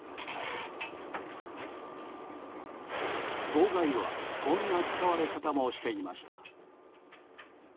号外はこんな使われ方もしていました。